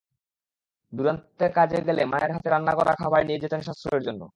দুরান্তে কাজে গেলে মায়ের হাতে রান্না করা খাবার নিয়ে যেতেন সাশ্রয়ের জন্য।